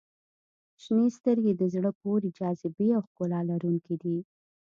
• شنې سترګې د زړه پورې جاذبې او ښکلا لرونکي دي.